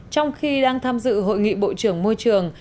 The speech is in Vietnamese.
trong khi đang tham dự hội nghị bộ trưởng môi trường